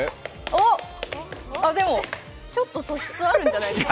あっ、でもちょっと素質あるんじゃないですか。